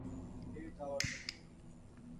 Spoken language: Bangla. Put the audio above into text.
তে যাওয়ার জন্য।